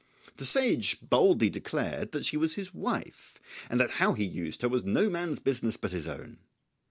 The sage boldly declared that she was his wife and that how he used her was no man's business but his own.